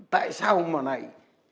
tại sao mà này